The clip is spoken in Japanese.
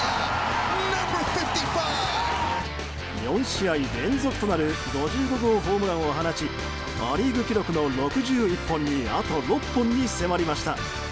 ４試合連続となる５５号ホームランを放ちア・リーグ記録の６１本にあと６本に迫りました。